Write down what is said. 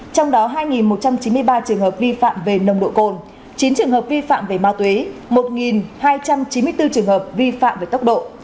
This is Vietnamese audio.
trong đó hai một trăm chín mươi ba trường hợp vi phạm về nồng độ cồn chín trường hợp vi phạm về ma túy một hai trăm chín mươi bốn trường hợp vi phạm về tốc độ